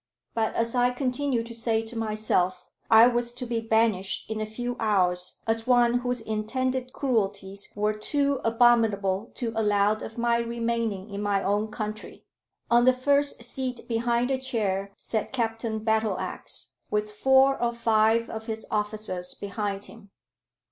But, as I continued to say to myself, I was to be banished in a few hours as one whose intended cruelties were too abominable to allow of my remaining in my own country. On the first seat behind the chair sat Captain Battleax, with four or five of his officers behind him.